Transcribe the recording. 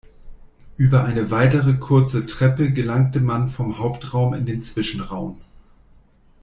Über eine weitere kurze Treppe gelangte man vom Hauptraum in den Zwischenraum.